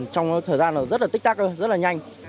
trong thời gian rất là tích tắc rất là nhanh